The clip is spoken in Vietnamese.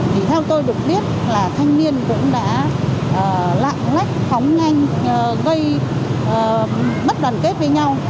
theo tôi được biết là thanh niên cũng đã lạng lách khóng nhanh gây bất đoàn kết với nhau